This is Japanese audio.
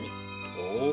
ほう。